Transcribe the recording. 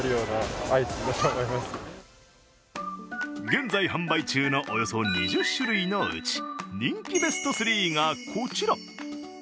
現在販売中のおよそ２０種類のうち、人気ベスト３がこちら。